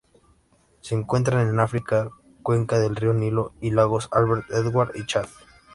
Se encuentran en África: cuenca del río Nilo y lagos Albert, Edward y Chad.